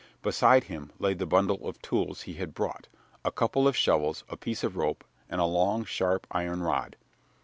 Beside him lay the bundle of tools he had brought a couple of shovels, a piece of rope, and a long, sharp iron rod.